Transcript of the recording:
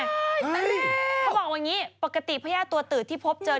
เขาบอกอย่างนี้ปกติพญาติตัวตืดที่พบเจอ